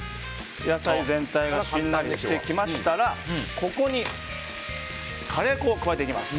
野菜全体がしんなりしてきましたらここにカレー粉を加えていきます。